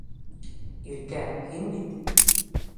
Иркә, һин бит?